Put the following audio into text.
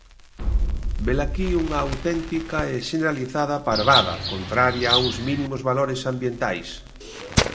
Velaquí unha auténtica e xeneralizada parvada, contraria a uns mínimos valores ambientais.